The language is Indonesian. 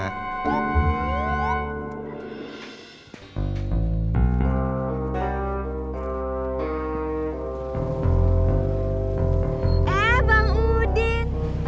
eh bang udin